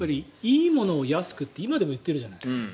いいものを安くって今でも言ってるじゃない。